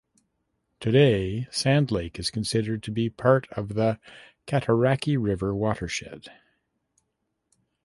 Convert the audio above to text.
Today Sand Lake is considered to be part of the Cataraqui River watershed.